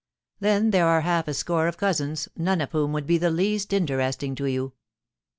Then there are half a score of cousins, none of whom would be the least interesting to you.'